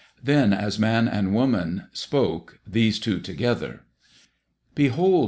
Then as man and woman spoke these two together. "Behold!"